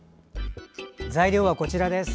材料はこちらです。